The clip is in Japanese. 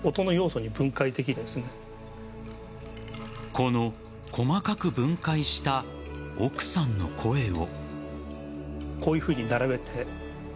この細かく分解した奥さんの声を。